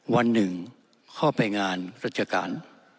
วันหนึ่งเข้าไปงานรัชการ